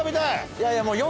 いやいやもう「４」